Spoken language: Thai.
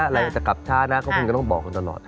มากับกันเช้าครับก็คงจะต้องบอกตลอด